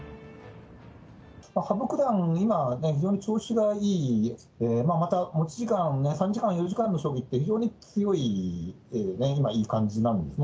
羽生九段、今、非常に調子がいい、また持ち時間が３時間、４時間の勝負って非常に強いっていうね、いい感じなんですね。